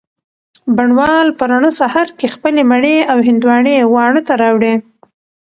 بڼ وال په رڼه سهار کي خپلې مڼې او هندواڼې واڼه ته راوړې